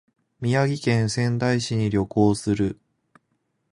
宮城県仙台市に旅行する